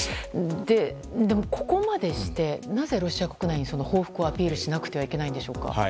でもここまでしてなぜロシア国内に、報復をアピールしなくてはいけないんですか。